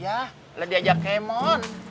yah lagi ajak kemon